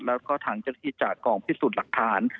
แล้วก็ทางเจ้าหน้าที่จากกองพิสูจน์หลักฐาน